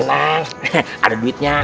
nah ada duitnya